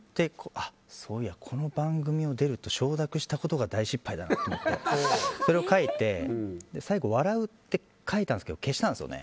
そういえばこの番組出るって承諾したことが大失敗だなと思ってそれを書いて、最後笑うって書いたんですけど消したんですよね。